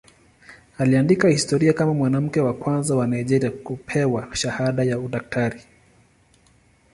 Aliandika historia kama mwanamke wa kwanza wa Nigeria kupewa shahada ya udaktari.